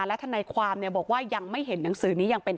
และทนายความบอกว่ายังไม่เห็นหนังสือนี้ยังเป็น